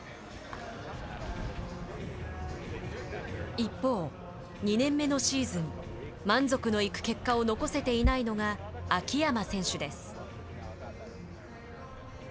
一方、２年目のシーズン満足のいく結果を残せていないのが秋山選手です。